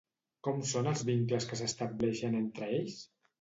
Com són els vincles que s'estableixen entre ells?